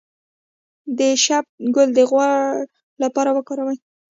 د شبت ګل د غوړ لپاره وکاروئ